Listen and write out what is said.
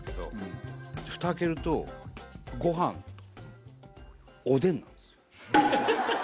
ふた開けるとご飯とおでんなんですよ。